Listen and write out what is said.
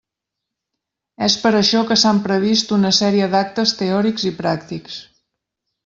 És per això que s'han previst una sèrie d'actes teòrics i pràctics.